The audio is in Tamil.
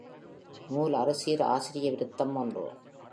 நூல் அறுசீர் ஆசிரிய விருத்தம் ஒன்று.